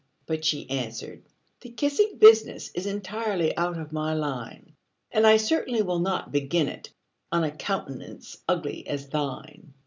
But she answered, "The kissing business Is entirely out of my line; And I certainly will not begin it On a countenance ugly as thine!"